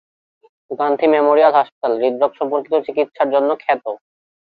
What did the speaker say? Gandhi memorial হাসপাতাল হৃদরোগ সম্পর্কিত চিকিৎসার জন্য খ্যাত।